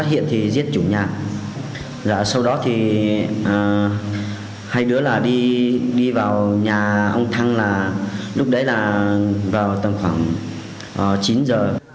khi vào nhà ông thăng là lúc đấy là vào tầm khoảng chín giờ